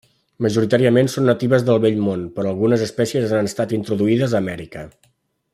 Majoritàriament són natives del Vell Món, però algunes espècies han estat introduïdes a Amèrica.